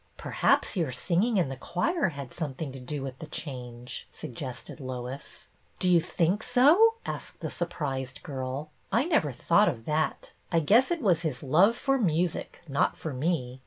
" Perhaps jmur singing in the choir had something to do with the change," suggested Lois. " Do you think so " asked the surprised girl. " I never thought of that. I guess it was his love for music not for me.